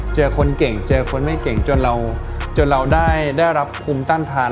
เจอคนเก่งเจอคนไม่เก่งจนเราจนเราได้รับภูมิต้านทาน